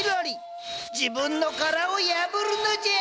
自分の殻を破るのじゃ！